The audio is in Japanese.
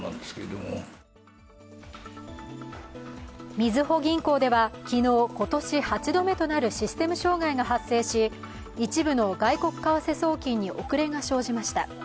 みずほ銀行では昨日、今年８度目となるシステム障害が発生し一部の外国為替送金に遅れが生じました。